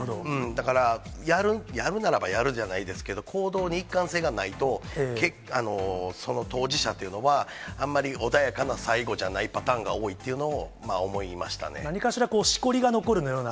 だから、やるならばやるじゃないですけど、行動に一貫性がないと、その当事者というのは、あんまり穏やかな最後じゃないパターンが多いというのも思いまし何かしらしこりが残るような。